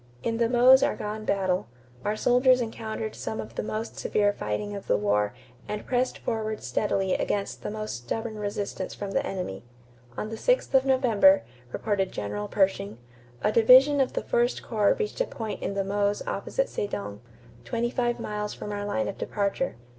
In the Meuse Argonne battle, our soldiers encountered some of the most severe fighting of the war and pressed forward steadily against the most stubborn resistance from the enemy. On the 6th of November, reported General Pershing, "a division of the first corps reached a point on the Meuse opposite Sedan, twenty five miles from our line of departure.